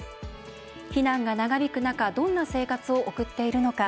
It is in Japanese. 避難が長引く中どんな生活を送っているのか。